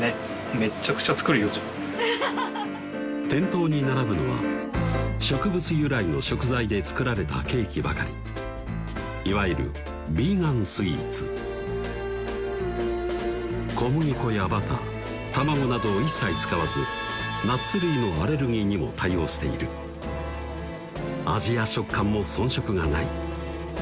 めっちゃくちゃ作るよじゃあ店頭に並ぶのは植物由来の食材で作られたケーキばかりいわゆる小麦粉やバター卵などを一切使わずナッツ類のアレルギーにも対応している味や食感も遜色がない